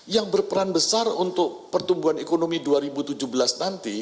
yang berperan besar untuk pertumbuhan ekonomi dua ribu tujuh belas nanti